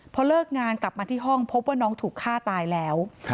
พอเลิกงานกลับมาที่ห้องพบว่าน้องถูกฆ่าตายแล้ว